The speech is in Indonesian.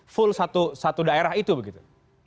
full satu daerah itu begitu